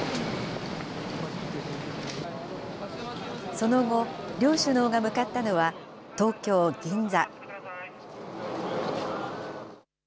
その後、両首脳が向かったのは、東京・銀座。